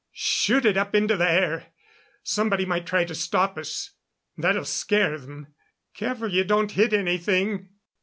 Shoot it up into the air. Somebody might try and stop us. That'll scare them. Careful you don't hit anything!"